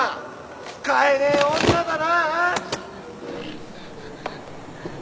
使えねえ女だな！